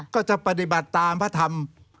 ก็จะปฏิบัติตามพระธรรม